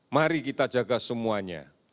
mari kita jaga semuanya